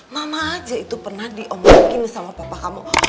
mama aja itu pernah diobrokin sama papa kamu